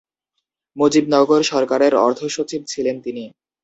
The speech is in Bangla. মুজিবনগর সরকারের অর্থ সচিব ছিলেন তিনি।